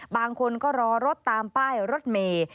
บางคนก็รอรถตามป้ายรถเมย์